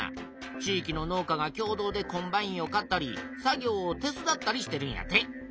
地いきの農家が共同でコンバインを買ったり作業を手伝ったりしてるんやて。